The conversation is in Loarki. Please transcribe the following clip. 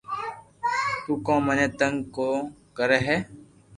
تو ڪو مني تنگ ڪو ڪري ھي